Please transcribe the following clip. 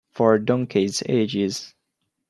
For donkeys' ages.